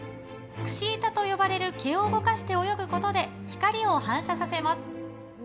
櫛板といわれる毛を動かして泳ぐことで光を反射させます。